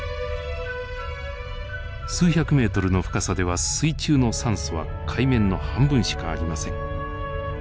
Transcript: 数百ｍの深さでは水中の酸素は海面の半分しかありません。